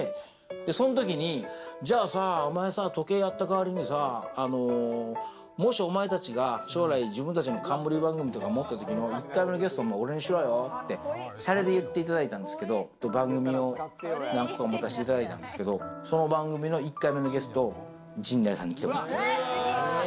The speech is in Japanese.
そん時にじゃあさ、お前さ、時計やった代わりにさ、もしお前たちが将来自分たちの冠番組とか持った時の１回目のゲスト、お前、俺にしろよってシャレで言っていただいたんですけど、番組を何個か持たしていただいたんですけど、その番組の１回目のゲスト、陣内さんに来てもらってます。